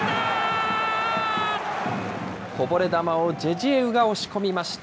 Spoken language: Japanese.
こぼれ球をジェジエウが押し込みました。